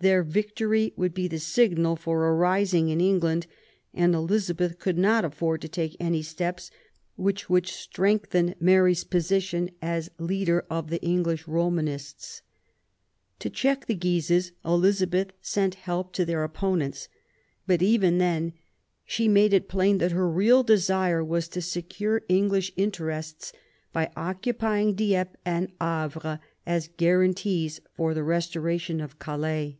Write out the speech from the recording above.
Their victory would be the signal for a rising in England, and Elizabeth could not afford to take any steps which would strengthen Mary's position as leader of the English Romanists. To check the Guises, Elizabeth sent help to their opponents, but even then she made it plain that her real desire was to secure English interests by occupying Dieppe and Havre as guarantees for the restoration of Calais.